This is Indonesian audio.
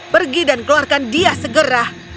pergi dan keluarkan dia segera